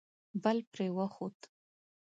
بل پرې وخوت.